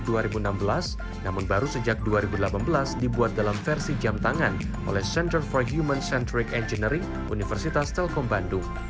dalam tahun dua ribu enam belas namun baru sejak dua ribu delapan belas dibuat dalam versi jam tangan oleh center for human centric engineering universitas telkom bandung